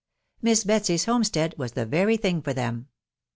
Miss Betsy's homestead was the very thing for them.